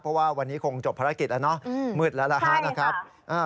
เพราะว่าวันนี้คงจบภารกิจแล้วเนอะอืมมืดแล้วนะคะใช่ค่ะอ่า